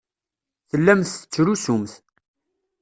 Tellamt tettrusumt.